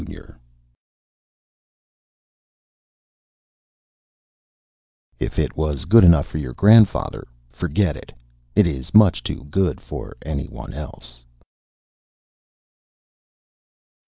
Illustrated by KOSSIN _If it was good enough for your grandfather, forget it ... it is much too good for anyone else!